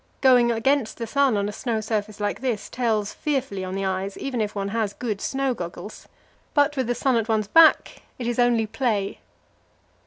Going against the sun on a snow surface like this tells fearfully on the eyes, even if one has good snow goggles; but with the sun at one's back it is only play.